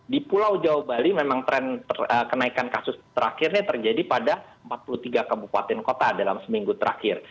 di pulau jawa bali memang tren kenaikan kasus terakhirnya terjadi pada empat puluh tiga kabupaten kota dalam seminggu terakhir